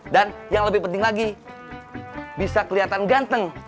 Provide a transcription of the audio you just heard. dan yang lebih penting lagi bisa kelihatan ganteng